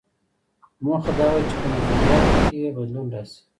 موخه دا وه چې په نظریاتو کې یې بدلون راشي.